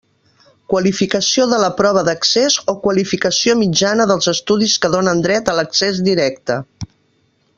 Qualificació de la prova d'accés o qualificació mitjana dels estudis que donen dret a l'accés directe.